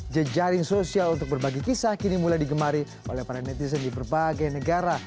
jejaring sosial untuk berbagi kisah kini mulai digemari oleh para netizen di berbagai negara